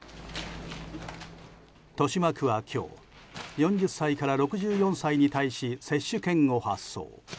豊島区は今日４０歳から６４歳に対し接種券を発送。